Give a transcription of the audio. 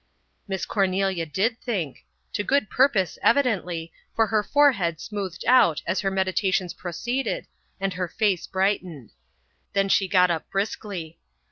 Miss Cornelia did think to good purpose evidently, for her forehead smoothed out as her meditations proceeded and her face brightened. Then she got up briskly.